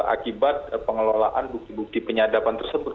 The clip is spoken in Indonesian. akibat pengelolaan bukti bukti penyadapan tersebut